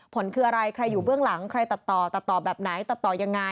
ผลคืออะไรใครอยู่เบื้องหลังใครตัดต่อตัดต่อแบบไหนตัดต่อยังไง